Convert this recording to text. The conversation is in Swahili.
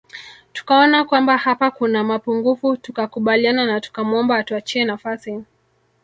Tukaona kwamba hapa kuna mapungufu tukakubaliana na tukamwomba atuachie nafasi